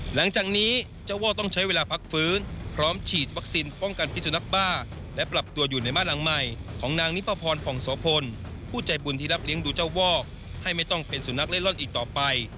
หลังจากนี้เจ้าวอกต้องใช้เวลาพักฟื้นพร้อมฉีดวัคซีนป้องกันพิสุนักบ้าและปรับตัวอยู่ในบ้านหลังใหม่ของนางนิพพรผ่องโสพลผู้ใจบุญที่รับเลี้ยงดูเจ้าวอกให้ไม่ต้องเป็นสุนัขเล่นร่อนอีกต่อไป